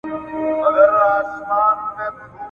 تر ښارونو یې وتلې آوازه وه ..